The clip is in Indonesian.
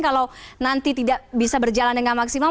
kalau nanti tidak bisa berjalan dengan maksimal